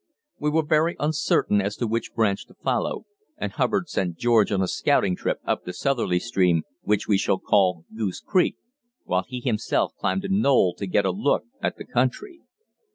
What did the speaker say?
We were very uncertain as to which branch to follow, and Hubbard sent George on a scouting trip up the southerly stream, which we shall call Goose Creek, while he himself climbed a knoll to get a look at the country.